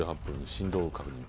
震動を確認。